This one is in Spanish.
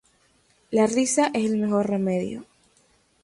La risa es el mejor remedio.